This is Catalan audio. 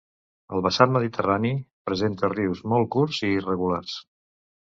El vessant mediterrani presenta rius molt curts i irregulars.